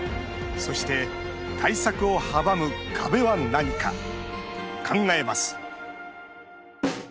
そして、対策を阻む壁は何か考えます